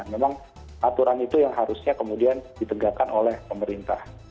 memang aturan itu yang harusnya kemudian ditegakkan oleh pemerintah